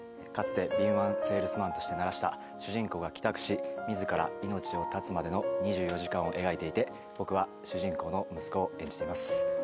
かつて敏腕セールスマンとしてならした主人公が帰宅し自ら命を絶つまでの２４時間を描いていて僕は主人公の息子を演じています